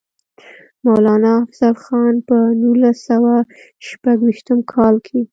مولانا افضل خان پۀ نولس سوه شپږيشتم کال کښې